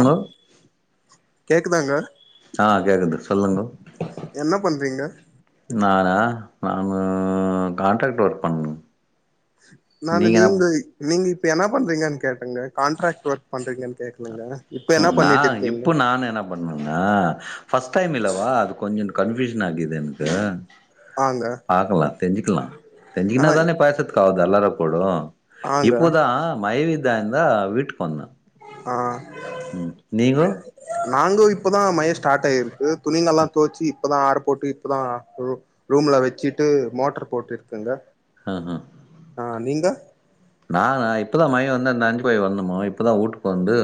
ஆ கேக்குதாங்க ஆ கேக்குது சொல்லுங்க என்ன பண்றீங்க நானா நானு கான்ட்ராக்ட் ஒர்க் பண் நானு நீங்க நீங்க இப்ப என்னா பண்றீங்கன் கேட்டங்க காண்ட்ராக்ட் ஒர்க் பண்றீங்கன் கேக் ஓ நா இப்ப நானு என்ன பண்றன்னா ஃபஸ்ட் டைம் இல்லவா அது கொஞ்சோ கன்பியூஷன் ஆகுது எனக்கு ஆங்க பாக்கலாம் தெரிஞ்சிக்கலா ஆ தெரிஞ்சிக்னாதான பேசறதுக்கு ஆவுது அல்லாற படு ஆங்க இப்போதா மைவித்தாந்தா வீட்டுக்கு வந்தா ஆ நாங்கோ இப்பதா மைய ஸ்டார்ட் ஆயிருக்கு துணிங்கல்லா தொவச்சி இப்பதா ஆறப்போட்டு இப்பதா ரூ ரூம்ல வச்சிட்டு மோட்டர் போட்டிருக்கங்க அ ஹ ஆ நீங்க நானா இப்பதா மய வந்து அந்த அஞ்சு போய் வரணுமோ இப்போதா வூட்டுக்கு வந்து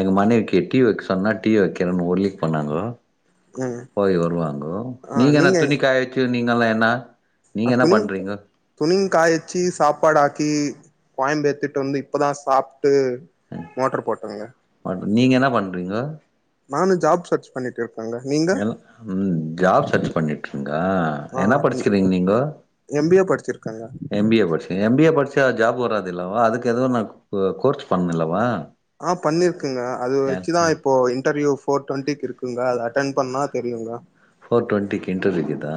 எங்க மனைவிக்கி டீ வைக்க சொன்னா டீ வைக்கிறேன்னு ஊர்லிக் பண்ணாங்கோ ம் போய் வருவாங்கோ ஆ நீங்க என்னா துணிகாய வச்சு நீங்கல்லா என்னா அத்துலி துணி காய வச்சி சாப்பாடாக்கி கோயம் ஏத்துட்டு வந்து இப்ப தா சாப்ட்டு மோட்டர் போட்டங்க நீங்க என்ன பண்றீங்க நானு ஜாப் சர்ச் பண்ணிட்டு இருக்கங்க ஏலா ம் ஜாப் சர்ச் பண்ணிட்ருங்கா ஆ என்னா படுச்சுக்கிறீங்க நீங்க எம் பி ஏ படிச்சிருக்கங்க எம் பி ஏ படுச் எம் பி ஏ படுச்சா ஜாப் வராது இல்லவா அதுக்கு எதுவு நா கோர்ச் பண்ணு அல்லவா ஆ பண்ணிருக்குங்க அது வச்சுதா இப்போ இன்டர்வியூ ஃபோர் டுவெண்ட்டிக்கு இருக்குங்க அத அட்டன் பண்ணா தெரியுங்க ஃபோர் டொன்டிக்கி இன்டர்வியூ இக்கு தா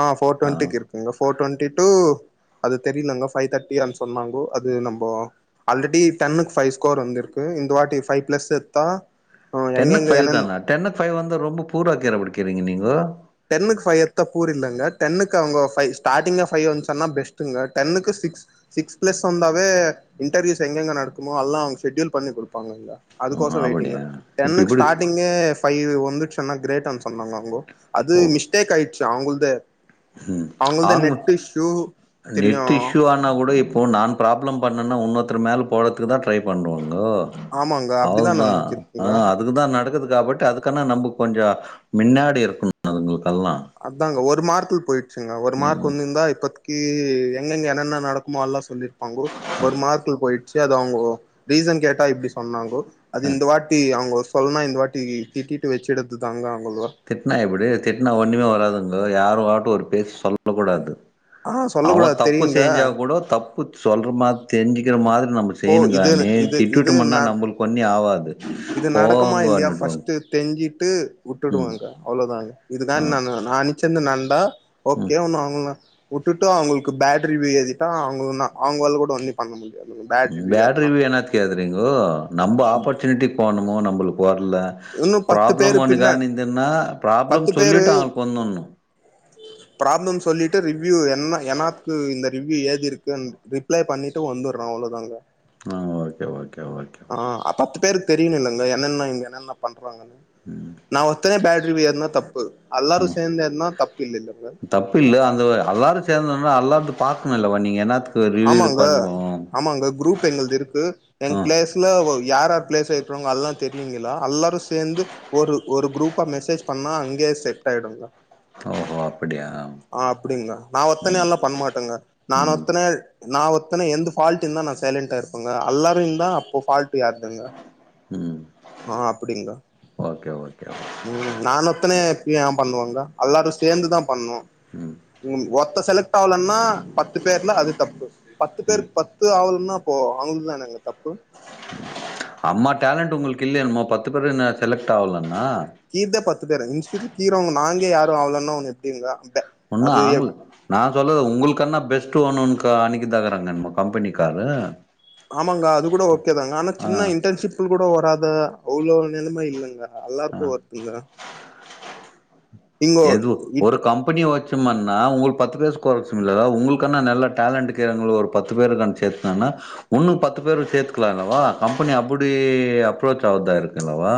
ஆ ஃபோர் டு்வெண்டிக்கு இருக்குங்க ஃபோர் டுவெண்டி டூ அது தெரிலங்கோ ஃபைவ் தேர்ட்டியன் சொன்னாங்கோ அது நம்போ ஆல்ரெடி டென்னுக்கு ஃபைவ் ஸ்கோர் வந்திருக்கு இந்த வாட்டி ஃபைவ் ப்ளஸ் எத்தா டென்னுக்கு எங்கெங்க ஃபைவ் என்னென் தானா டென்னுக்கு ஃபைவ் தானா வந்து ரொம்ப பூராக்கிற புடிக்கிறீங்க நீங்கோ டென்னுக்கு ஃபைவ் எத்தா பூர் இல்லங்க டென்னுக்கு அவுங்க ஃபைவ் ஸ்டாடிங்க ஃபைவ்வுன் சொன்னா பெஸ்ட்டுங்க டென்னுக்கு சிக்ஸ் சிக்ஸ் பிளஸ் வந்தாவே இன்டர்வியூஸ் எங்க எங்க நடக்குமோ அல்லா அவுங்க ஷெட்யூல் பண்ணி குடுப்பாங்க அங்க ஆ அதுக்கோசொ அப்படியா வெயிட்டிங்கோ இப்ப டென்னுக்கு இப்படி ஸ்டாடிங்கே ஃபைவ்வு வந்துருச்சுன்னா கிரேடுன்னு சொன்னாங்க அவுங்கோ அது ஓ மிஸ்டேக் ஆயிறுச்சு அவுங்கள்தே ம் அவங்கள்தே நெட் இஷ்யூ தெரியு இப்பானா கூட இப்போ நான் ப்ராப்ளம் பண்ணேன்னா வுன்னோர்த்தர் மேல போட்றதுக்கு தா ட்ரை பண்ணுவங்கோ ஆமாங்க அவ்ள அப்டிதா தா நடந்துட்டு ஆ இருக்குங்க அதுக்குதா நடக்குது இதா பட் அதுக்கானா நமக்கு கொஞ்ச மின்னாடி இருக்கணு அதுங்களுக்கல்லா அதாங்க ஒரு மார்க்கில் போயிடுச்சுங்க ஒரு மார்க் ம் ஒன்னு இருந்தா இப்ப கீ எங்கெங்க என்னென்ன நடக்குமோ அல்லா சொல்லிருப்பாங்கோ ஒரு மார்க்குல போயி ச்சு அது அவங்கோ ரீசன் கேட்டா இப்படி சொன்னாங்கோ அது அ இந்த வாட் ட்டி அவுங்க சொல்ன்னா இந்த வாட்டி திட்டிட்டு வச்சிடதுது தாங்கோ அவுங்க திட்னா எப்பிடி திட்னா ஒன்னுமே வராதுங்கோ யாரு ஆட்டு ஒரு பேசு சொல்ல கூடாது ஆ சொல்ல அவ கூடாது தப்பு தெரியுங்க செஞ்சா கூடோ தப்பு சொல்ற மாரி தெரிஞ்சுக்கிற மாரி நம்ம இப்போ செய்யனுங்க இது நே இது இது ந திட்டுவிட்டம்ன்னா நம்மளுக்கு ஒன்னியு ஆகாது இது நடக்குமா இல்லையா ஃபர்ஸ்ட்டு தெஞ்சிட்டு ம் வுட்டுடுவாங்க அவ்வளோதாங்க இதுதா ஆ நானு நா நனிச்சிருந்த நடந்தா ம் ஓகே ஒன்னு அவுங்கள நா வுட்டுட்டு அவுங்களுக்கு பேட்டரி வி ஏழுதிட்டா அவுங்க நா அவுங்கள் கூட வந்து பண்ண முடியாதுங்க பேட்டரி வீ அதுனா கேதரிங்கோ நம்ம ஆப்பர்ச்சுனிட்டி போனுமோ நம்மளுக்கு வரல இன்னு பத்து ப்ராப்ளம் பேரு ஒன்னு பின்ன கார இந்தின்னா பத்து பேரு ம் ப்ராப்ளம் சொல்லிட்டு ரிவ்யூ என்னா என்னாக்கு இந்த ரிவ்யூ ஏது இருக்குன்னு அப்ளை பண்ணிட்டு வந்துர்றோ அவ்ளோ தா அங்க ஆ ஓகே ஓகே ஓகே ஆ பத்து பேருக்கு தெரியுனு இல்லங்க என்னென்ன என்ன பண்றாங்கன்னு நா ஒத்தயே பே [unintelligible] ஏற்னா தப்பு அல்லாரு ம் சேந்து ஏற்னா தப்பு இல்லேலங்க தப்பு இல்ல அந்த வ அல்லாரு சேர்ந்தோனா அல்லாருந்து பாக்கணு இல்லவா நீங்க என்னாத்து ஆமாங்க ஆமாங்க குரூப் எங்களது இருக்கு எங் ம் பிளேயர்ஸ் ல ஒ யார் ஆரு பிளேஸ்ல இருக்குறவுங்க அல்லா தெரியுங்களா அல்லாரு சேந்து ஒரு ஒரு குரூப்பா மெசேஜ் பண்ணா அங்கே செட் ஆயிடுங்க ஓ ஹோ அப்டியா ஆ அப்படிங்ளா நா ஒத்தனே எல்லா பண்ணமாட்டேங்க நா ம் ஒத்தனே நா ஒத்தனே எந்த ஃபால்ட் இருந்தா நா சைலன்டா இருப்பேங்க அல்லாரு இந்தா அப்போ ஃபால்ட் யாருதுங்க ம் ஆ அப்பிடிங்களா ஓகே ஓகே ம் நானு ஒத்தனே ஏன் பண்ணுவாங்க அல்லாரு சேந்து தா பண்ணு ம் ஒத்த செலக்ட் ஆகலன்னா பத்து பேர்ல அது தப்பு பத்து பேரு ம் பத் து ஆவனுனா அப்போ அவங்களுக்குதானேங்க தப்பு அம்மா டேலண்டட்டு உங்களுக்கு இல்லையா என்னமோ பத்து பேரு என்ன செலக்ட் ஆவலன்னா கீர்தே பத்து பேரு [unintelligible] நாங்க யாரு அவளன்னா எப்டி இருந்தா அப்ப ஒன்னு ஆகல நான் சொல்லது உங்களுக்கண்ணா பெஸ்ட்டு வோணுன்னு கா அன்னைக்கு தகறாங்க நம்ம கம்பெனி காரு ஆமாங்க அது கூட ஓகே தாங்க ஆனா சின்ன இன்டர்ன்ஷிப்ல கூட வராத அவ்வளோ நெலைமை இல்லங்க ஆ அல்லாரக்கு ஓர்த்துங்க எது இட் ஒரு கம்பெனிய வச் சும்மான்னா உங்களுக்கு பத்து பேரு [unintelligible] உங்களுக்கு என்ன நல்லா டேலண்டுக்கிறவுங்களுக்கு ஒரு பத்து பேரு நெனசேத்தான்னா ஒன்னு பத்து பேரு சேத்துக்கலாலவா கம்பெனி அப்பிடி அப்ரோச் ஆவுதா இருக்கல்லவா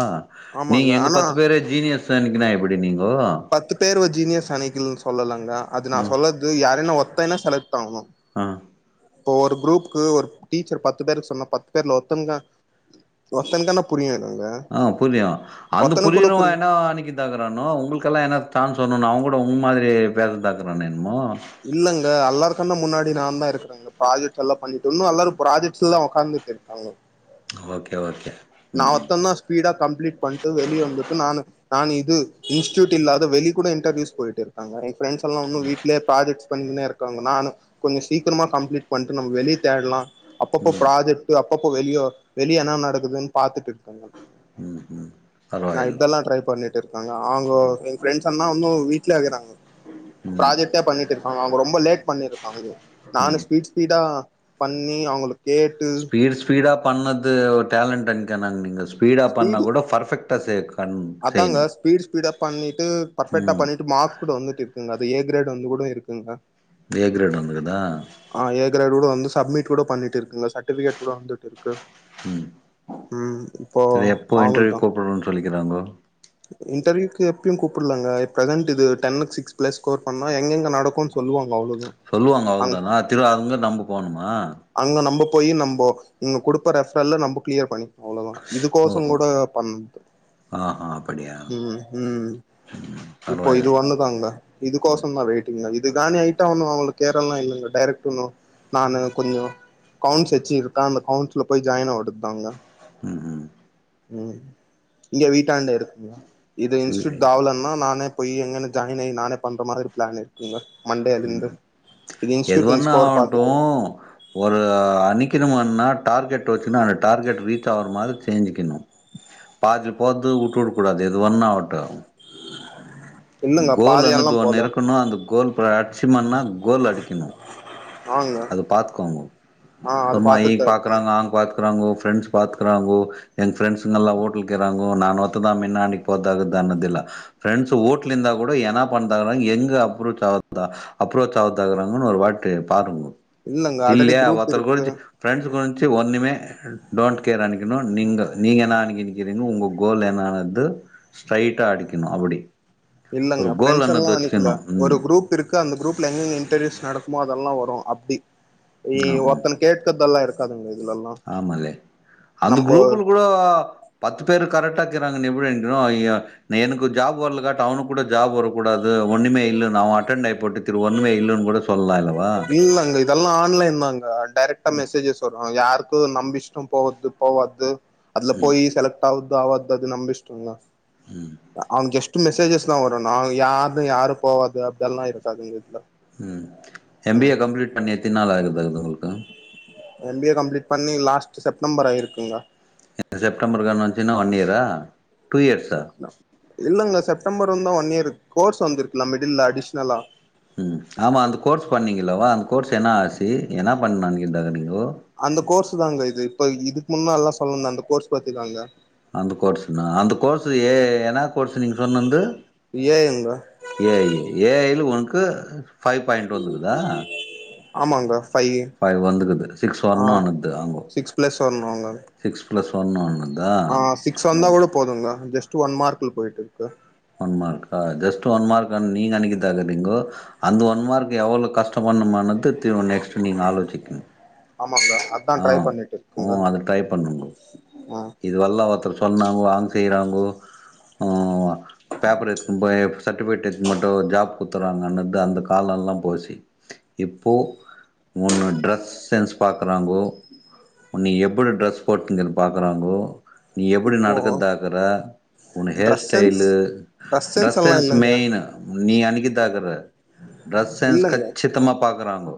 நீங்க ஆமாங்க எங்க ஆனா பத்து பேரை ஜீனியஸ் அனிக்கினா எப்பிடி நீங்கோ பத்து பேரு ஒரு ஜீனியஸ் அனக்கில்னு சொல்லலங்க அது ஆ நா சொல்லது யாரேன்னா ஒத்தன்னா செலக்ட் ஆகணு ஆ இப்போ ஒரு குரூப்புக்கு ஒரு டீச்சர் பத்து பேருக்கு சொன்ன பத்து பேர்ல ஒத்தங்க ஒத்தனுக்கானா புரியாதாங்க ஆ புரியு அந்த புரியறவ என்னா அன்னிக்கி தாக்குறானோ உங்குக்கெல்லா என்ன சான்ஸ் ஒம் அவங்க கூட உங்க மாதிரி பேச தாக்குற என்னமோ இல்லங்க எல்லாருக்கன்னா முன்னாடி நான் தா இருக்கிறே ப்ராஜக்ட்ஸ்ல்லாம் பண்ணிட்டு இன்னு எல்லாரும் ப்ராஜெக்ட் எல்லாம் உக்காந்துட்டு இருக்காங்க ஓகே ஓகே நா ம் ஒத்ததா ஸ்பீடா கம்ப்லீட் பண்ட்டு வெளிய வந்துட்டு நானு நான் இது இன்ஸ்ட்டியூட் இல்லாத வெளி கூட இன்டர்வியூஸ் போயிட்டு இரு அங்க என் ஃப்ரண்டஸ் எல்லா உன்னு வீட்லே ப்ராஜெக்ட் பண்ணின் இருக் காங்க நானு கொஞ்சோ சீக்கிரமா கம்ப்லீட் பண்ட்டு நம்ம வெளிய தேட்லா அப்பப்ப ம் ப்ராஜெக்ட் அப்பப்போ வெளியோ வெளிய என்னா நடக்குதுன் பாத்துட்டு இருக்காங்க ம் ம் நா பரவாயில் இப்பெல்லா ட்ரை பண்ணி இருக்காங்க அவங்க ஃபிரண்ட்ஸ் அன்னா உன்னு வீட்லே இருகுறாங்க ம் ப்ராஜெக்ட்டே பண்ணிட்டு இரு அவங்க ரொம்ப லேட் பண்ணியிருக்காகோ நானு ம் ஸ்பீட் ஸ்பீடா பண்ணி அவுங்களுக் ஸ்பீட் ஸ்பீடா பண்ணது ஒரு டேலண்ட் அனுக்கோன நாங்க நீங்கள் ஸ்பீடாக பண்ணால் ஸ்பீடு கூட பர்ஃபெக்டா சேர் அதாங்க ஸ்பீட் ஸ்பீடா பண்ணிட்டு பர்ஃபெக்டா ம் பண்ணிட்டு மார்க் கூட வந்துட்டு இருக்குங்க அது ஏ கிரேட் வந்து கூட இருக்குங்க தே கிரேடு வந்து குதா ஆ ஏ கிரேட் கூட வந்து சப்மிட் கூட பண்ணிட்டு இருக்குங்க சர்டிஃபிகேட் கூட வந்துட்டு இருக்கு ம் ம் இப்போ சரி எப்போ இன்டர்வியூ அவங்கள்தா கூப்பிடடுறோம்ன் சொல்லிக்கிறாங்கோ இன்டர்வியூக்கு எப்பயு கூப்பள்லங்க எ பிரதன்ட் இது டென் சிக்ஸ் பிளஸ் ஸ்கோர் பண்ணா எங்கங்க நடக்கு சொல்லுவாங்க அவ்ளோ சொல்லுவாங்க அவ்ளோதானா திரு அங்க நம்ப போணுமா அங்க நம்ம போயி நம்ம இங்க கொடுப்ப ரெஃபர்ல்ல நம்ம கிளியர் பண்ணி அவ்ளோதா இதுக்கோசம் ஓஹோ கூட பண் ஆஹா அப்படியா உம் உம் இப்போ பரவாயில்ல இது வந்து கங்க இதுக்கோசம்தா வெயிட்டிங் இது ஐட்டா ஒன்னும் அவங்களுக்கு கேர எல்லாம் இல்லைங்க டைரெக்ட் ஒன்னு நானு கொஞ்சோ கவுண்ஸ் வெச்சு இருக்கா அந்த கவுண்ட்ஸ்ல போய் ஜாயின் ஆயிடுதாங்க ம் உம் இங்க வீட்டாண்ட இருக்குங்களா இது இன்ஸ்டூட் ம் தாவலன்னா நானு போயி எங்க ஜாயின் ஆ நானே பண்ற மாதிரி பிளானு ங்க மண்டேல ம் இந்து இது இன்ஸூட்டின் எதுவன்னா ஸ்கோர் பாத்துட்டு ஆவட்டும் ஒரு அணிக்கணும்ன்னா டார்கெட் வெச்சுன்னா அந்த டார்கெட் ரீச் ஆவற மாறி செஞ்சுக்கணு பாதி போர்த்த வுட்டுடக்கூடாது எது ஒன்னா ஆகட்டு இல்லங்க கோல் பாதியெல்லா அன்னுது ஒன்னு போல இருக்கணு அந்த கோல் அடிச்சுமன்னா கோல் அடிக்கணு ஆங்க அது பாத்துக்கோங்க ஆ அது சும்மா இ பாத்துட்டு தா இருக்குங்க பாக்குறாங்க ஆங் பாக் குறாங்க பிரெண்ட்ஸ் பாக்குறாங்கோ எங்க பிரெண்ட்ஸ்கெல்லா ஊட்டலக்குறாங்க நான் ஒத்ததான் மின்னாடிக்கு போத தான்தில்லை ப்ரெண்ட்ஸ் ஊட் இருந்தா பண்ணங்க எங்க அப்ரோச் ஆகுதா அப்ரோச் ஆத்தாக்குறாங்கன்னு ஒரு வாட்டு பாருங்க இல்லங்க ஆல்ரெடி இல்லையா குரூப் ஒருத்த இருக்கு குறிச்சு ஃப்ரெண்ட்ஸ் குறி ஒன்னுமே டோன்ட் கேர் அனுக்கணும் நீங்க நீங்க என்ன அனு நக்கிறீங்க உங்க கோல் என்னனது ஸ்ட்டைடா அடிக்கணு அப்டி இல்லங்க ப்ரெண்ட்ஸ் எல்லா நிக்கல ஒரு ம் குரூப் இருக் க்கு அந்த குரூப்ல எங்கங்க இன்டர்வியூஸ் நடக்குமோ அதெல்லா வரும் அப்டி ஆம் ஒருத்தனுக் கேட்டதெல்லா இருக்காதுங்க இதுல எல்லா ஆமாலே அந்த குரூப் கூடோ பத்து பேரு கரெக்டா கீறாங்கு நீ விழுந்தோ ஐயோ எனக்கு ஜாப் வரலக்காட்டு அவுனுக்கு கூட ஜாப் வர கூடாது ஒண்ணுமே இல்ல நா அட்டென்டாயி போட்டு தரு ஒண்ணுமே இல்லன்னு கூட சொல்லலா இல்லவா இல்லங்க இதெல்லா ஆன்லைன்ல தாங்க டைரெக்டா மெசேஜஸ் வரு யாருக்கு நம் இஷ்பிட்டோ போவத்துக் போவாத்து அதுல போயி செலக்ட் ஆவுத்து அவாத்து அது நம்ம இஷ்டம்தா ம் அவனுக்கு ஜெஸ்ட் மெசேஜஸ்தா வரு நாங்க யாருத்து யாரு போவாத்து அப்டி எல்லா இருக்காதுங்க இதுல ம் எம் பி ஏ ம் கம்ப்ளீட் பண்ணி எத்தினா நாள் ஆகுது அதுல உங்களுக்கு எம் பி ஏ கம்ப்ளீட் பண்ணி லாஸ்ட் செப்டம்பர் ஆயிருக்குங்க இந்த செப்டம்பர் கானாச்சினா ஒன் இயரா டூ இயர்ஸா இல்லங்க செப்டம்பர் வந்தா ஒன் இயர் கோர்ஸ் வந்திருக்குல்ல மிடில்ல அடிஷ்னலா ம் ஆமாம் அந்த கோர்ஸ் பண்ணிங்கள்லவா அந்த கோர்ஸ் என்ன ஆச்சி என்னா பண்தா நெனைக்கிற்தா நீங்கோ அந்த கோர்ஸ்ஸு தாங்க இது இப்ப இதுக்கு முன்னால்லா சொன்னல்ல அந்த கோர்ஸ் பாத்திக்காங்க அந்த கோர்ஸ்னா அந்த கோர்ஸ் ஏ ஏ என்ன கோர்ஸ் நீங்க சொன்னந்து ஏ ஐ ங்க ஏ ஐ ஏ ஐ ல உனக்கு ஃபைவ் பாயிண்ட் வந்துக்குதா ஆமாங் ப்ரோ ஃபைவ் வந்துக்குது சிக்ஸ் ஒன்னு வந்து ஆங்கோ சிக்ஸ் பிளஸ் வரணுங்க சிக்ஸ் ப்ளஸ் ஒன்னு ஆன ஆ சிக்ஸ் வந்தா கூட போதுங்க ஜஸ்ட் ஒன் மார்க்ல போயிட்டு இருக்கு ஒன் மார்க்கா ஜஸ்ட்டு ஒன் மார்க்குன் நீ நெனைக்கறதா இருக்கீங்கோ அந்த ஒன் மார்க் எவ்ளோ கஷ்ட பட்னுமான்னுத்து நெக்ஸ்ட் நீ நாலுவெச்சிக்குங் ஆமா ப்ரோ ஆ ஆ அது ட்ரை பண்ணுங்கோ ஆ இதுவல்லா ஒருத்தர் சொன்னாங்கோ அவுங் செய்றாங்கோ பேப்பர் எடுத்துகுன் போயி சர்டிபிகேட் எத்துன் மட்டு ஒரு ஜாப் குத்து றாங்கன்றது அந்த காலோல்லா போசி இப்போ ஒன்னு ட்ரஸ் சென்ஸ் பாக்குறாங்கோ உன்ன எப்புடி ட்ரெஸ் போட்னுகிற பாக்குறாங்கோ நீ எப்புடி இப்போ நடக்குத்தாக்குற உன் hair dress sense style dress sense main நீ அனிக்கர்தக்குற ட்ரெஸ் சென்ஸ் இல்லங்க கச்சித்தமா பாக் பாக்குறாங்கோ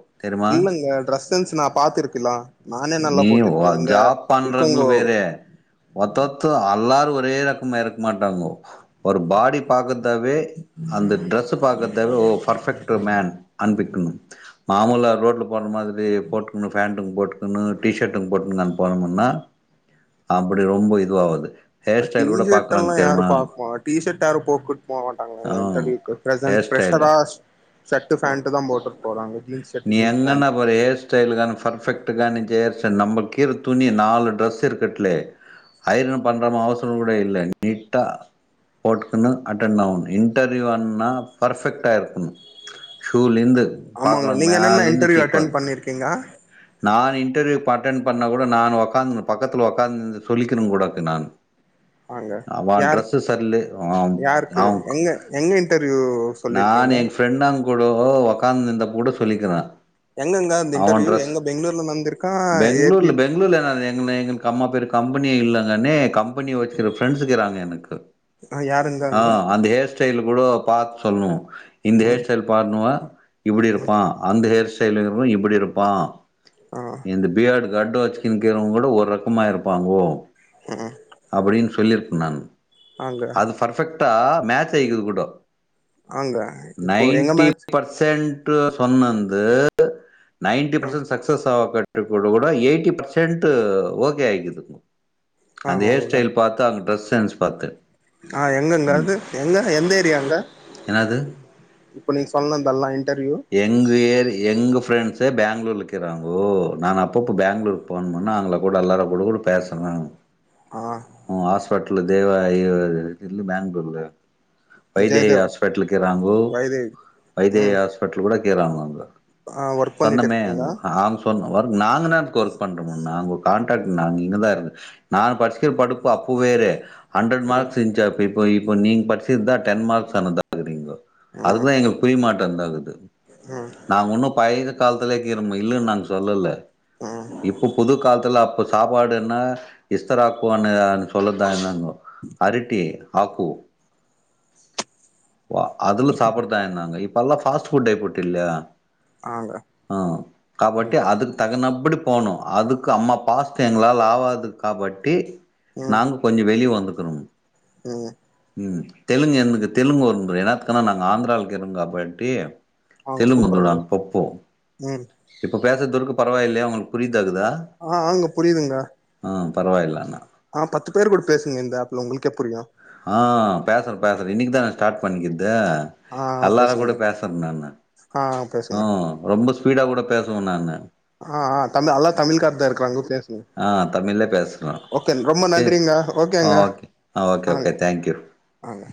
இல்லங்க டிரெஸ் சென்ஸ் நா பாத்திருக்கலா நானே நல்லா நீ போட்டிருக்கே ஒர் இங்க ஜாப் இருக்கவங்கோ பண்றவங்களுக்கு வேறு ஒருத்த ஒருத்த அல்லாரு ஒரே ரக்கமா இருக்க மாட்டாங்கோ ஒரு பாடி பாக்கத்தாவே அந்த ட்ரெஸ் பாக்கத்தாவே ஓ ஃபர்பெக்ட் மேன் அனுப்பிக்கணு மாமூல ரோட்ல போற மாதிரி போட் ஃபேண்ட்டுங்க போட்டுகுனு டீ ஷர்டுங்க போட்டுக்குனு நம்ம போனுமுன்னா அப்டி ரொம்ப இதுவாவாது அ டீ ஷர்ட்டெல்லா யாரு பாக்குவா டீ ஷர்ட் யாரு போகுட்டு போக மாட்டாங்க ஆ மெண்டலி இப்ப ப்ரெசென்ட் ஹேர் ஸ்டைலு ஃபிரஷரா ஷட்டு ஃபேண்ட் தா போட்டுட் போறாங்க ஜீன்ஸ் ஷர்ட் நீ ஜீன்ஸ் என்னென்ன பேண்ட் போரியேஸ் ஸ்டைலுக்கான பர்ஃபெக்ட் கான நீ ஜெயர்சன் நம்ம கீர துணி நாலு டிரெஸ் இருக்கட்டலே அயிரின பண்றமோ அவசரோ கூட இல்ல நீட்டா போட்டுக்குன்ணு அட்டென் அவனு இன்டர்வியூ அண்னா ஃபர்பெக்ட் டா இருக்கணு ஷூலிந்து ஆமாங்க நீங்க என்னென்ன இன்டர்வியூ அட்டென் பண்ணிர்க்கீங்கா நானு இன்டர்வியூ இப்ப அட்டென் பண்ணா கூட நானு ஒக்காந்துன்னு பக்கத்துல ஒக்காந்துன்து சொல்லிக்கிணு கூட இருக்கு நான் ஆங்க அவா யார் ட்ரெஸு சரில்லே அவா யாருக்கு அவ்ங்க் எங்க எங்க இன்டர்வியூ நான் சொல்லிருக்கீங்க எங் ஃப் ஃப்ரெண்டாங் கூடோ ஒகாந்துன் இருந்த கூடோ சொல்லிக்கிறே எங்கங்க அந்த இன்டர்வியூ எங்க பெங்ளூர்ல நந்துருக் பெங்ளூர்ல பெங்ளூர்ல [unintelligible] கம்மா பேரு கம்பெனிய இல்லங்கன்னே கம் பண்ணி வச்சுக்கிற ஃப்ரெண்ட்ஸ்கிறாங்க எனக்கு ஆ யாருங்கங்க அந்த ஹேர்ஸ் ஸ்டைல்லு கூடோ பாத்து சொல்னு இந்த ஹேர் ம் ஸ்டைல் பாட்னுவா இப்புடி இருப்பா அந்த ஹேர் ஸ்டைலுங்கிறவ இப்புடி இருப்பா ஆ இந்த பியர்டு கட்ட வச்சுக்குன்கிறவ கூட ஒரு ரக்கமா இருப்பாங்கோ ம் அப்புடின் ஸ் சொல்லிருப்ப நானு ஆங்க அது பர்ஃபெக்டா மேட்ச ஆயிகுது கூடோ ஆங்க இப்போ எங்க நைன்ட்டி மேட்ச் பர்சென்ட் டு சொன்னந்து நைன்டி ம் பர்சஸ் சக்ஸஸ் ஆ கட்ட கூட கூட எயிட்டி பர்சென்ட்டு ஓகே ஆயிகிது ஆ அந்த ஹேர் ஆங்க ஸ்டைல் பாத்து அவங்க டிரெஸ் சென்ஸ் பாத்து ஆ எங்கங்க அது எங்க எந்த ஏரியாங்க என்னது இப்ப நீங் சொன்னந்த ல்லா இன்டர்வியூ எங்க ஏர் எங்க ஃப்ரெண்ட்ஸே பெங்ளூர்ல கிறாங்கோ நானு அப்பப்போ பெங்ளூர் ஃபோன் பண்ணா அவங்களா கூட எல்லார் கூட கூட பேசனு ஆ உ ஹாஸ்பெட்ல [unintelligible] இல்ல பெங்ளூர்ல வைதேகி ஜெயதேவ் ஆஸ்பெட்லு கீறாங்கோ வைதேவ் வைதேகி ம் ஆஸ்பெட்லு கூட கீறாங்கோ அங்க ஆ ஒர்க் பண்ணிட்டு சொன்னமே இருக்குங்களா [unintelligible] டக் நாங் இங்கதான் இருந்து நா பட்சிகிற படுப்பு அப்போ வேரு ஹண்ட்ரட் ம் மார்க்ஸ் இந்ச்சி அப் ப்ப இப்போ இப்போ நீங் பட்ச்சது தா டென் மார்க்ஸ் அதுதா [unintelligible] ம் அதுதா எங்களுக்கு புரியமாட்டந்தாகுது ம் நாங்க உன்னும் பழைய இது காலத்துலேக்கீறோமு இல்லன்னு நாங் சொல்லல்ல ம் இப்போ புது கால்த்துல அப்ப ஸ் சாப்பாடுன்னா இஸ்தராக்குனு அன்னு சொல்ல [unintelligible] அரிட்டி ஆக்கு வா அதுல சாப்புறதா என்னங்க இப்பல்லா ஃபாஸ்ட் ஃபுட் ஆயி புட்டு இல்ல ஆங்க ஆ காபட்டி ம் அதுக் தகுனப்புடி போனும் அதுக்கு அம்மா பாஸ்து எங்களால் ஆவாது காபட்டி ம் நாங்க கொஞ்ச வெளியே வந்துக்குறம்ணு ம் ம் தெலுங்கு எனக்கு தெலுங்கு [unintelligible] எனாத்துக்குன்னா நாங்க ஆந்துராவுல கிறோ கப்பட்டி ஆங்க சூப்பருங்க தெலுங்குதுடான் ப்போ ப்போ ம் இப் இப்போ பேசத்தொருக்கு பரவாயில்லயா உங்களுக்கு புரிதாக்குதா ஆ ஆங்க புரியுதுங்க ஆ பரவாயில்ல அண்ணா ஆ பத்து பேர் கூட பேசுங்க இந்த ஆப்ல உங்குளுக்கே புரியும் ஆ பேசுறே பேசுறே இன்னைக்கு தா நா ஸ்டார்ட் பண்ணிக்கிற்து ஆ அல்லாரு பேசுங்க கூட பேசுவ நானு ஆ ஆ பேசுங்க ரொம்ப ஸ்பீடா கூட பேசுவே நானு ஆ ஆ தமி அல்லா தமிழ் கார தா இருக்குறாங்க பேசுங்க ஆ தமிழ்லே பேசுறேன். ஓகேங்க ரொம்ப தெ நன்றிங்க ஆ ஓகேங்க ஓகே. ஆ ஓகே, ஆங்க ஓகே. Thank you. ஆங்க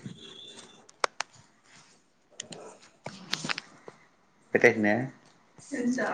பெட்டேக்குன்னு